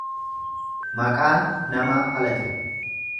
Maqaan namaa ala jira.